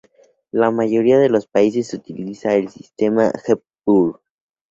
La mayoría de los países utiliza el sistema Hepburn.